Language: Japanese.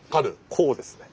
こうですね。